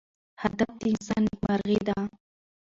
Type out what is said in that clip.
هدف د انسان نیکمرغي ده.